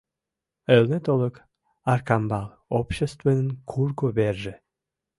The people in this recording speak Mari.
Элнет олык Аркамбал обществын курго верже.